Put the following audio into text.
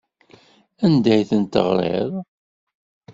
Anda ay tent-teɣriḍ?